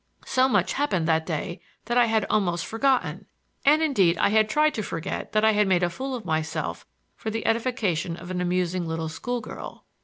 So much happened that day that I had almost forgotten, and, indeed, I had tried to forget I had made a fool of myself for the edification of an amusing little school girl.